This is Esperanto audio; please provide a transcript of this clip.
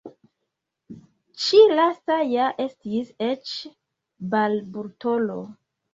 Ĉi lasta ja estis eĉ balbutulo!